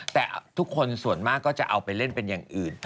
แต่ทุกคนส่วนมากก็จะเอาไปเล่นเป็นอย่างอื่น